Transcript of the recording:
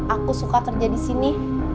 aku suka kerja disini